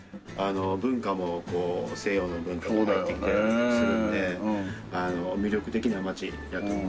文化もこう西洋の文化が入ってきたりとかするので魅力的な町やと思いますね。